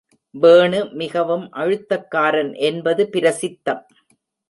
வேணு மிகவும் அழுத்தக்காரன் என்பது பிரசித்தம்.